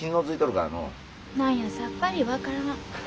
何やさっぱり分からん。